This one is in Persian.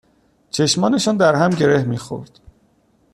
چشمانشان در هم گره میخورد